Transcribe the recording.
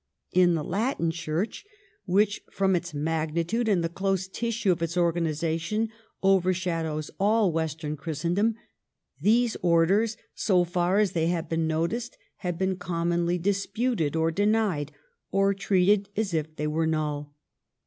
In the Latin Church, which from its magnitude and the close tissue of its organiza tion, overshadows all Western Christendom, these orders, so far as they have been noticed, have been commonly disputed, or denied, or treated as if they were null.